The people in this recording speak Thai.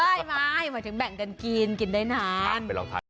เออไม่ไม่ถึงแบ่งกันกินกินได้นาน